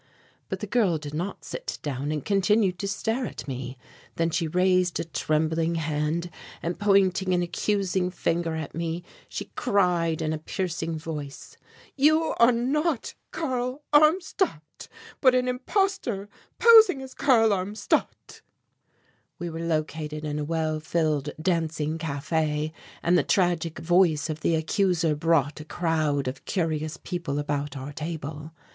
But, the girl did not sit down and continued to stare at me. Then she raised a trembling hand and, pointing an accusing finger at me, she cried in a piercing voice: "You are not Karl Armstadt, but an impostor posing as Karl Armstadt!" We were located in a well filled dancing café, and the tragic voice of the accuser brought a crowd of curious people about our table.